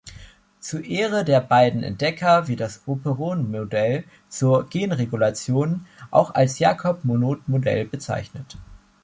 Zur Ehre der beiden Entdecker wird das Operon-Modell zur Genregulation auch als Jacob-Monod-Modell bezeichnet.